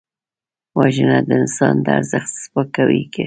وژنه د انسان د ارزښت سپکاوی دی